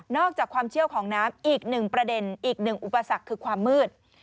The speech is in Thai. นอกจากความเชี่ยวของน้ำอีก๑ประเด็นอีก๑อุปสรรคคือความมืด